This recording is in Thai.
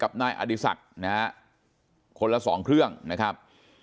กับไหนอดีศรกต์คนละ๒เครื่องนะครับ